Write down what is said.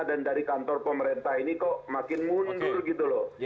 dan dari kantor pemerintah ini kok makin mundur gitu loh